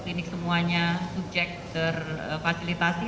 klinik semuanya subjek terfasilitasi